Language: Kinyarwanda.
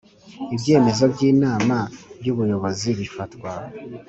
Ibyemezo by Inama y Ubuyobozi bifatwa